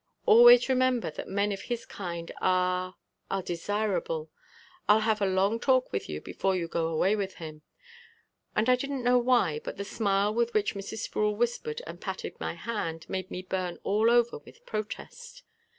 Always remember that men of his kind are are desirable. I'll have a long talk with you before you go away with him." And I didn't know why, but the smile with which Mrs. Sproul whispered and patted my hand made me burn all over with protest.